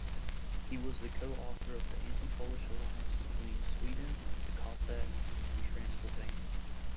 He was the co-author of an anti-Polish alliance between Sweden, the Cossacks and Transylvania.